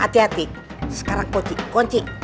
hati hati sekarang kunci